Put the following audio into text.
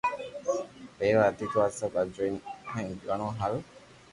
پيروا ھتي او سب آ جوئين مورگو گھڻو ھآرون